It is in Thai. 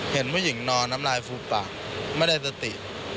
เห็นผู้หญิงนอนน้ำลายฟูบปากไม่ได้สติ